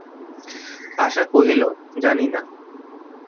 আশা কহিল, জানি না।